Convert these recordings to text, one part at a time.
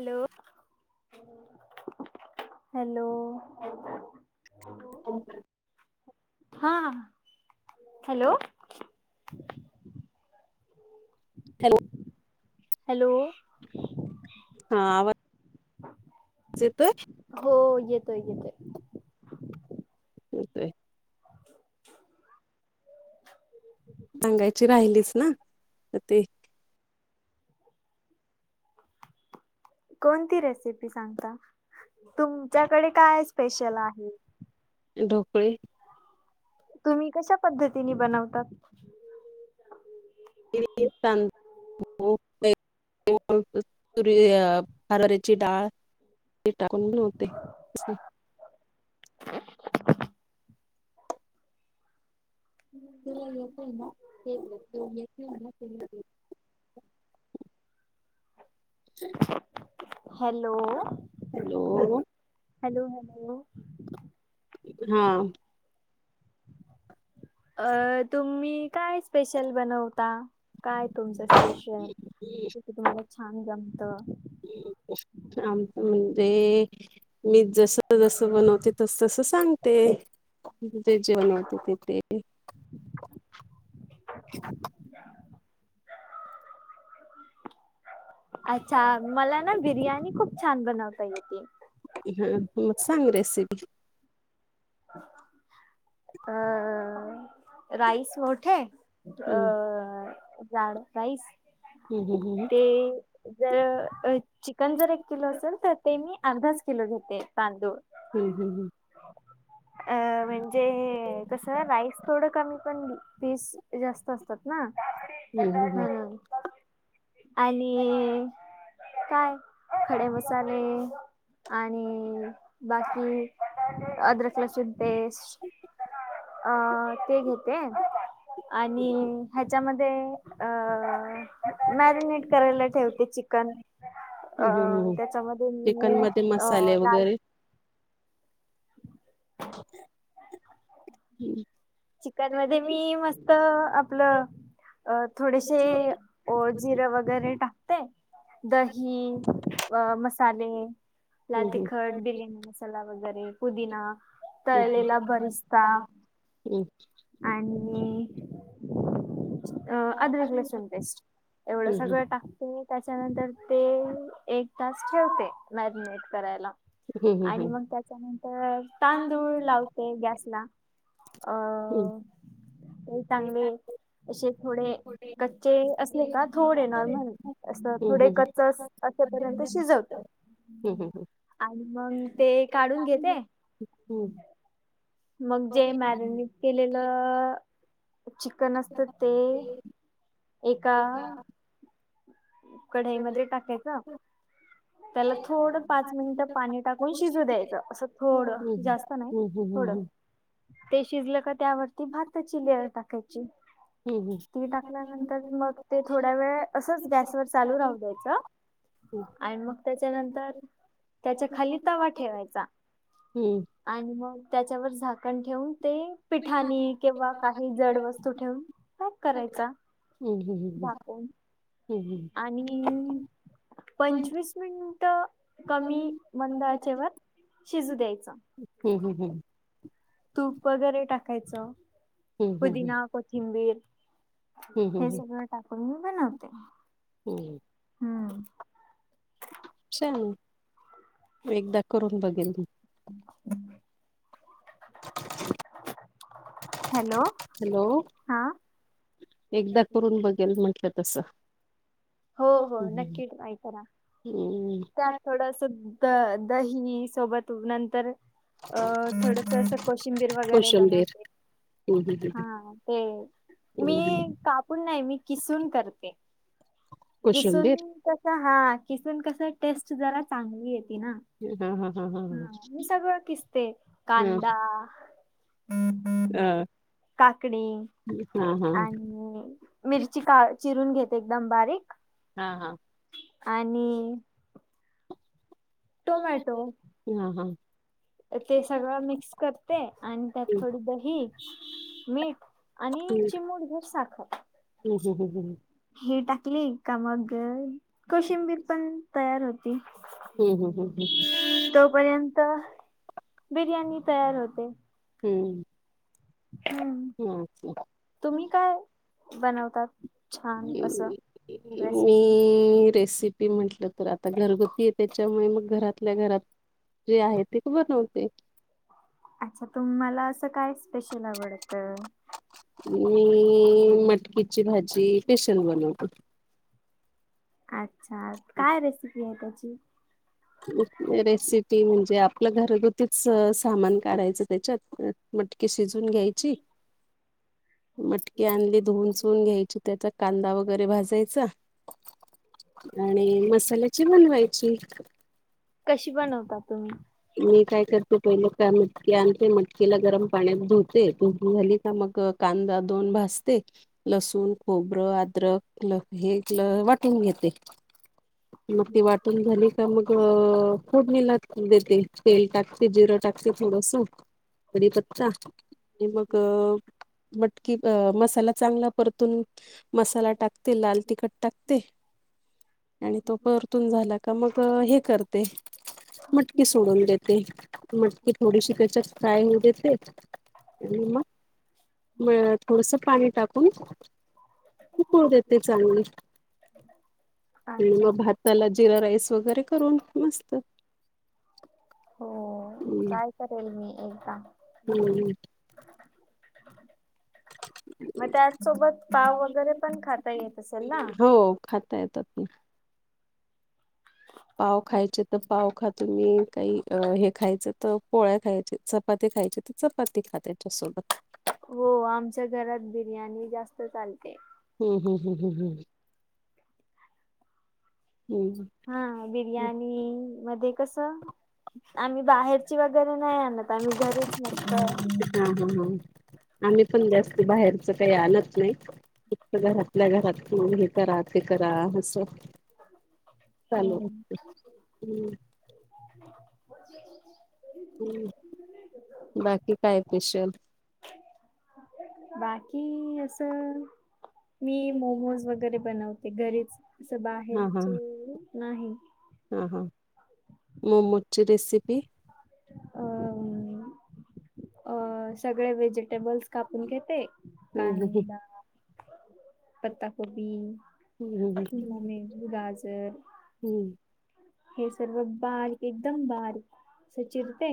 Hello hello आवाज नीट ऐकू येत नाही हा हॅलो हॅलो हॅलो हा ह चेेत हो येतोय येतो होक आहे सांगायची राहिलीच ना तर ते कोणती रेसिपी सांगता तुमच्याकडे काय स्पेशल आहे ढोकळी तुम्ही कशा पद्धतीने बनवतात तितन तर हरऱ्याची डाळ ते टाकून ढोकळी बनवायची आवाज नीट ऐकू येत नाही हम्म तुला येतोय ना येतोय तुला येतोय ना हॅलो हॅलो हॅलो हॅलो हा अ तुम्ही काय स्पेशल बनवता काय तुमचं स्पेश तुम्हाला छान जमत आमच म्हणजे मी जस जसं बनवते तस तसं सांगते तेच जेवन होत ते अच्छा मला ना बिर्याणी खूप छान बनवता येते हा म सांग रेसिपी अ राईस मोठे अ हम्म जाड राईस हम्म ते जर चिकन जर एक किलो असेल तर ते मी अर्धाच किलो घेते तांदूळ हम् हम हम अ म्हणजे कसं राईस थोडं कमी पण पीस जास्त असतात ना हम्म हम्म हम्म हम हम आणि काय खडे मसाले मसाले आणि बाकी अदरक, लसूण पेस्ट अ ते घेते आणि ह्याच्यामध्ये अ मॅगनेट करायला ठेवते चिकन हम्म हम्म अं हम्म त्याच्यामध्ये चिकन मी मध्ये अ मसाले लाल वगैरे हम्म चिकन मध्ये मी मस्त आपलं अ थोडेसे ओ जिरं वगैरे टाकते. दही, अ मसाले, लाल हम्म तिखट, बिर्याणी मसा मसाला वगैरे पुदीना तळलेला बरिस्ता हम. आणि अ अदरक लसून पेस्ट एवढं हम्म सगळं टाक ते त्याच्यानंतर ते एक तास ठेवते मॅरिनेट करायला. हम्म हम्म आणि मग त्याच्यानंतर तांदूळ लावते गॅसला. हम. लई चांगले असे थोडे कच्चे असले का थोडे नॉर्मल असं हम्म थोडे हम्म कच्च अ असेपर्यंत शिजवते हम्म आणि मग ते काढून घेते. हम्म मग जे मॅरिनेट केलेलं चिकन असत ते एका कढईमध्ये टाकायच [inaudible] त्याला थोडं पाच मिनिटं पाणी टाकून शिजू द्यायचं असं थोडं जास्त नाही हम्म हम्म हम्म थोडं ते शिजलं का त्यावरती भाताची लेयर टाकायची. ती टाकल्यानंतर मग ते थोड्या वेळ असच गॅसवर चालू राहू द्यायचं. आणि मग त्याच्यानंतर त्याच्या खाली तवा ठेवायचा. हम्म आणि मग त्याच्यावर झाकण ठेवून ते पिठानी किंवा काही जड वस्तू ठेवून पॅक करायचा. हम्म हम्म हम्म झाकून आणि पंचवीस मिनिट कमी मंद आचेवर शिजू द्यायचं. हम्म हम्म हम्म तूप वगैरे टाकायचं हम्म पुदिना, कोथिंबीर हम्म हे हम्म सगळं टाकून मी बनवते. हम्म हम्म हम्म एकदा करून बघेल मी. हॅलो हॅलो हा एकदा करून बघेल म्हटलं तसं हो हो हम्म नक्की ट्राय करा हम्म त्यात थोडसं द दही सोबत नंतर अ थोडसं असं कोशिंबीर वगैरे कोशंबीर बनवते. हा ते मी कापून नाही मी किसून करते. किसून कोशंबीर कस हा किसून कस टेस्ट जरा चांगली येती ना हा हा हा हा ह मी सगळं किसते हा हा कांदा काकडी हा हा आणि मिरची का चिरून घेते एकदम बारीक हा हा. आणि टोमॅटो हा हा. ते सगळं मिक्स करते आणि त्यात हम्म, थोडी दही मीठ आणि चिमुूड घर साखर हम हम हममम हे टाकली का मग कोशिंबीर पण तयार होती हम्म हम्म हम्म हम्म त पर्यंत बिर्याणी तयार होते हम्म हम्म तुम्ही काय बनवतात? छान असं रेसिपी मी रेसिपी ते म्हंटलं तर आता घरगुती आहे त्याच्यामुळे मग घरातल्या घरात जे आहे ते बनवते. अच्छा तुम्हाला असं काय स्पेशल आवडत. मी मटकीची भाजी पेशल बनवते. अच्छा काय रेसिपी आहे त्याची रेसिपी म्हणजे आपलं घरगुतीच सामान काढायचं त्याच्यात मटकी शिजून घ्यायची मटकी आणली धुवून चुवून घ्यायची त्याचा कांदा वगैरे भाजायचा आणि मसाल्याची बनवायची कशी बनवता तुम्ही मी काय करते पहिले काय मटकी आणते मटकीला गरम पाण्यात धुते भ झाली का मग कांदा दोन भासते लसूण खोबरं अद्रक हे ल वाटून घेते मग ती वाटून झाली का मग फूड निलात ते तेल टाकते जिरं टाकते थोडंस बडीपत्चा आणि मग मटकी मसाला चांगला परतून मसाला टाकते लाल तिखट टाकते आणि तो पर झाला का मग हे करते हां की सोडून देते मटकीी थोडीशी कच्यात फ्राय होऊ देते आणि मग म थोडस पाणी टाकून देते चांगली अच्छा भ त्याला जिरा राईस वगैरे करून मस्त हो ट्राय करेल मी एकदा हम् मग त्याच सोबत पाव वगैरे पण खाता येत असेल ना हो खाता येतात ह पाव खायचे तर पाव खातो मी काही हे खायचं तर पोळ्या खायचे चपाती खायचे तर चपाती खाते त्यासबत हो आमच्या घरात बिर्याणी जास्त चालते हम् हम हम हम् हम् हम् हा बिर्याणी मध्ये कस आम्ही बाहेरची वगैरे नाही आणत आ म घरीच नसत हा हा हा ह आम्ही पण जास्त बाहेरच काही आणत नाही घर आपल्या घरात हे करा ते करा असं. चालेल हम्म हम्. [unintelligible] बाकी काय पिशल. बाकी असं मी मोमोज वगैरे बनवते, घरीच असं हा हा बाहेरच नाही. हा हा मोमोजची रेसिपी अ अ सगळे व्हेजिटेबल्स कापून घेते. हम्म कांदा पत्ता कोबी, हम्म शिमला मिर्च, गाजर. हम्म, हे सर्व बारीक एकदम बारीक असं चिरते.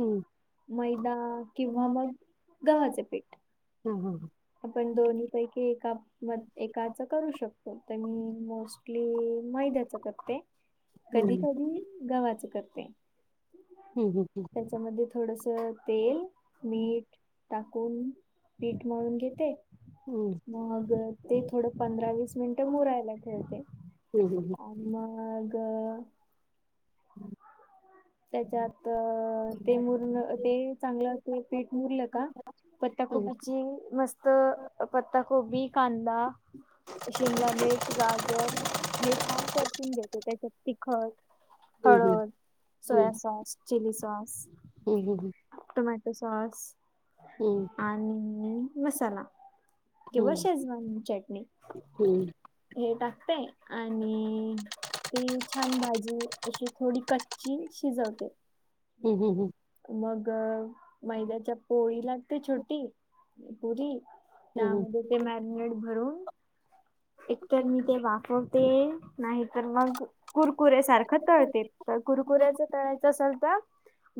हम्म मैदा किंवा मग गव्हाचे पीठ. हा हा. आपण दोन्ही पैकी एका -म एकाच करू शकतोय, तर मी मोस्ट आपली मैद्याच करते. कधी हम्म कधी गव्हाच करते. हम्म हम्म. त्याच्यामध्ये थोडस तेल, मीठ टाकून पीठ मळून घेते. मग ते थोडं पंधरा वीस मिनिट मुरायला ठेवते. हम्म हम्म मग त्याच्यात ते मुर ते चांगलं ते पीठ मुरलं का पत्ताकोबीची मस्त पत्ताकोबी, कांदा शिमला मिर्च, गाजर हे छान परतून घेते. त्याच्यात तिखट हम्म हळद, सोया सॉस, चिली सॉस हम्म हम्म हम्म. टोमॅटो सॉस हम्म आणि मसाला, किंवा हम्म शेजवान चटणी. हम्म हे टाकते आणि ती छान भाजी अशी थोडी कट ची शिजवते. हम्म हम्म हम्म. मग मैद्याच्या पोळी लाटते छोटी, पुरी. त्यामध्ये ते मॅरिनेट भरून, एकतर मी ते वाफवते नाही तर मग कुरकुरे सारखं तळते. तर कुरकुऱ्याच तळाच असल तर,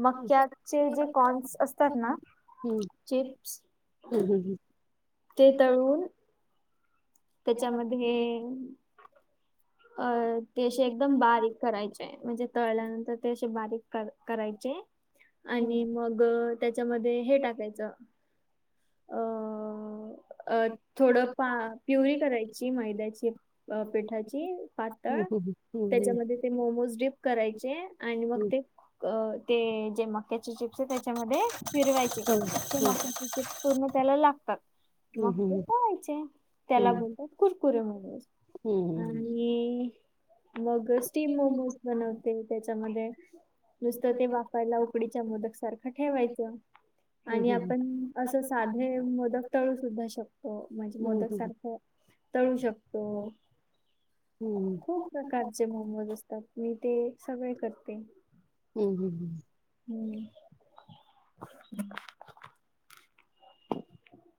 मक्याचे जे कॉन्स असतात ना चिप्स हम्म हम्म हम्म. ते तळून त्याच्यामध्ये अ -ते अशी एकदम बारीक करायचे, म्हणजे तळल्यानंतर ते असे बारीक करायचे आणि मग त्याच्यामध्ये हे टाकायचं अ, अ -थोडं पा प्युरी करायची मैद्याची अ -पिठाची पातळ. [unintelligible] त्याच्यामध्ये ते मोमोज डिप करायचे आणि मग ते ते जे मक्याचे जे त्याच्यामध्ये फिरवायचे. ते मक्याचे मग त्याला लागतात मग ते तळायचे. त्याला बोलतात कुरकुरे मोमोज. आणि मग स्टीम मोमोज बनवते त्याच्यामध्ये नुसतं ते वाफायला उकडीच्या मोदक सारखं ठेवायचं. आणि आपण असं साधे मोदक तळू सुद्धा शकतो म्हणजे मोदक सारखं तळू शकतो खूप प्रकारचे मोमोज असतात, मी ते सगळे करते. हम्म हम्म हम्म. हम्म